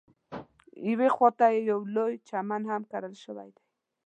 یوې خواته یې یو لوی چمن هم کرل شوی دی.